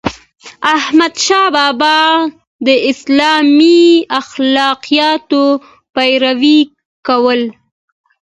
احمدشاه بابا د اسلامي اخلاقياتو پیروي کوله.